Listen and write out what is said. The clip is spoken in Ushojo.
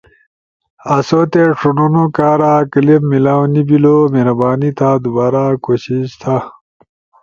آسو تے ݜونونو کارا کلپ میلاؤ نی بیلو، مہربانی تھا دوبارا کوشش تھا۔